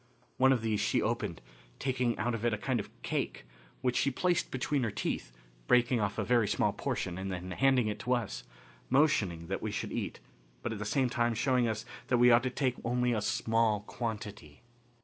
One of these she opened, taking out of it a kind of cake, which she placed between her teeth, breaking off a very small portion and then handing it to us, motioning that we should eat, but at the same time showing us that we ought to take only a small quantity.